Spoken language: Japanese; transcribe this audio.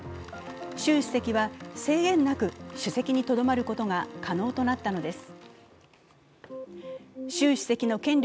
習主席は制限なく首席にとどまることが可能となったのです。